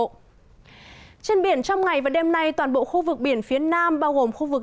trên biển trong ngày và đêm nay toàn bộ khu vực biển phía nam bao gồm khu vực